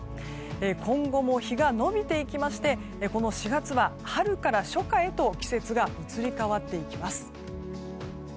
今後も日がのびていきましてこの４月は春から初夏へと季節が移り変わっていきます。